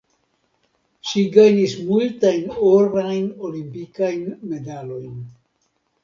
Ŝi gajnis multajn orajn olimpikajn medalojn.